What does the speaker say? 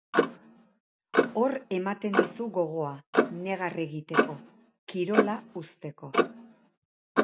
Hor ematen dizu gogoa negar egiteko, kirola uzteko.